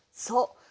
そう。